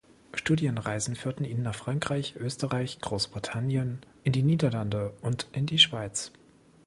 Studienreisen führten ihn nach Frankreich, Österreich, Großbritannien, in die Niederlande und in die Schweiz.